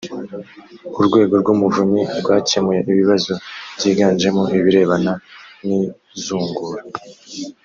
urwego rw’umuvunyi rwakemuye ibibazo byiganjemo ibirebana n’izungura